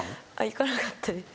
行かなかったです。